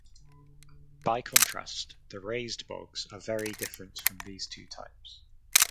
By contrast the raised bogs are very different from these two types.